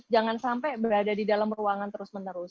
jangan sampai berada di dalam ruangan terus menerus